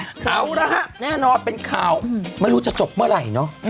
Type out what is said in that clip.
เอาละฮะแน่นอนเป็นข่าวไม่รู้จะจบเมื่อไหร่เนอะ